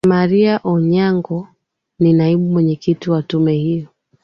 maria onyango ni naibu mwenyekiti wa tume hiyo